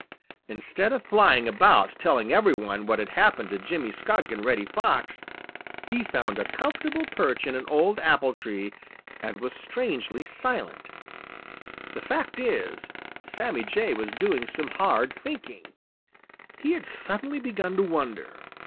Instead of flying about telling every one what had happened to Jimmy Skunk and Reddy Fox, he found a comfortable perch in an old apple tree and was strangely silent. The fact is, Sammy Jay was doing some hard thinking. He had suddenly begun to wonder.